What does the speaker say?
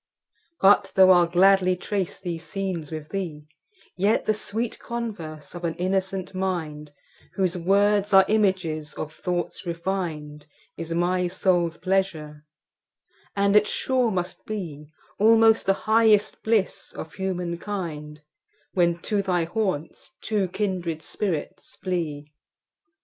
But though I'll gladly trace these scenes with thee, Yet the sweet converse of an innocent mind, Whose words are images of thoughts refin'd, Is my soul's pleasure; and it sure must beAlmost the highest bliss of human kind, When to thy haunts two kindred spirits flee.